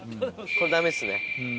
これダメですね。